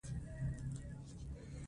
په افغانستان کې سیلانی ځایونه شتون لري.